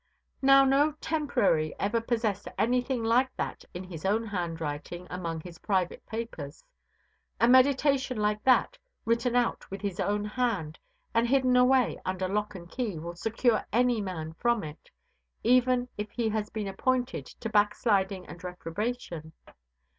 Now, no Temporary ever possessed anything like that in his own handwriting among his private papers. A meditation like that, written out with his own hand, and hidden away under lock and key, will secure any man from it, even if he had been appointed to backsliding and reprobation.